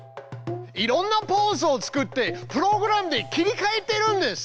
いろんなポーズを作ってプログラムで切りかえてるんです。